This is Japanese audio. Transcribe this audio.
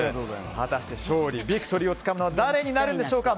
はたして勝利、ビクトリーをつかむのは誰になるんでしょうか。